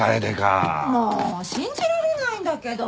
もう信じられないんだけど！